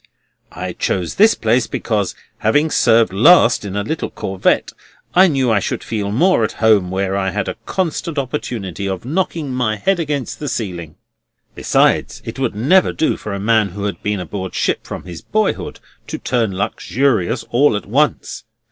I chose this place, because, having served last in a little corvette, I knew I should feel more at home where I had a constant opportunity of knocking my head against the ceiling. Besides, it would never do for a man who had been aboard ship from his boyhood to turn luxurious all at once.